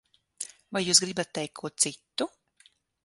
Vai jūs gribat teikt ko citu?